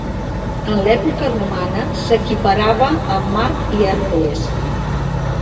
En l'època romana, s'equiparava amb Mart i Hèrcules.